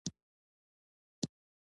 _اوبيا؟